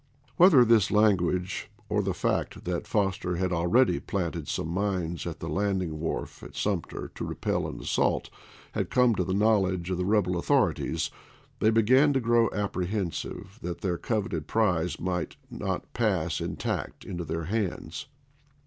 Whether this language, or the fact that Foster had actually planted some mines at the landing wharf at Sumter to repel an assault, had come to the knowledge of the rebel author ities, they began to grow apprehensive that their coveted prize might not pass intact into their hands.